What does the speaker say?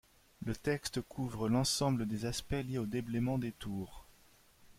Le texte couvre l’ensemble des aspects liés au déblaiement des tours.